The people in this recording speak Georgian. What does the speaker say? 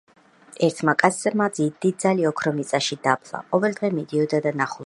ერთმა კაცმა დიდძალი ოქრო მიწაში დაფლა. ყოველდღე მიდიოდა და ნახულობდა იმ ადგილს.